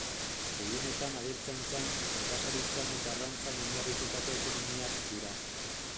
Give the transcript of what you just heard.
Gehienetan abeltzaintzan, nekazaritzan eta arrantzan oinarritutako ekonomiak dira.